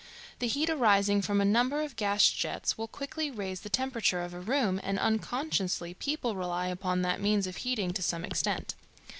The heat arising from a number of gas jets will quickly raise the temperature of a room, and unconsciously people rely upon that means of heating to some extent.